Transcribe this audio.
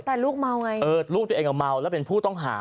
แต่ลูกเมาไงเออลูกตัวเองอ่ะเมาแล้วเป็นผู้ต้องหา